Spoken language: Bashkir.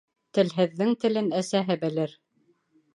Телһеҙҙең телен әсәһе белер.